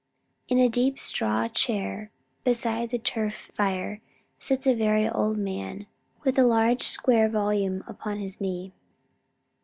In a deep straw chair, beside the turf fire, sits a very old man, with a large square volume upon his knee.